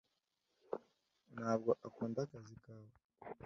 Ntabwo ukunda akazi kawe